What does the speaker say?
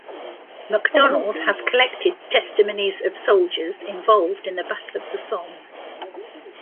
MacDonald has collected testimonies of soldiers involved in the battle of the Somme.